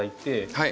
はい。